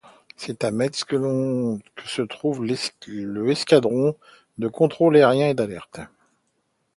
C’est à Metz que se trouve le Escadron de contrôle aérien et d’alerte.